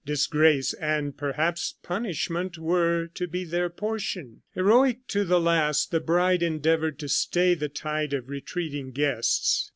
Disgrace and perhaps punishment were to be their portion. Heroic to the last, the bride endeavored to stay the tide of retreating guests.